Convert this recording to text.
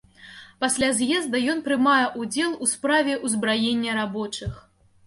Пасля з'езда ён прымае ўдзел у справе ўзбраення рабочых.